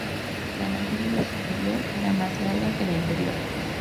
La mandíbula superior era más larga que la inferior.